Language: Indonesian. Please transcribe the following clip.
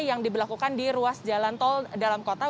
yang diberlakukan di ruas jalan tol dalam kota